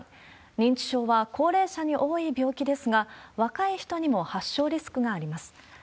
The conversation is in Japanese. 認知症は高齢者に多い病気ですが、若い人にも発症リスクがあります。